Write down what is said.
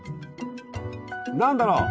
何だろう？